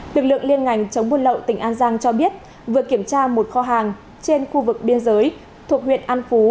lực lượng liên ngành chống buôn lậu tỉnh an giang cho biết vừa kiểm tra một kho hàng trên khu vực biên giới thuộc huyện an phú